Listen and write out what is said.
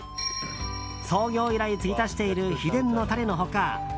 創業以来、つぎ足している秘伝のタレの他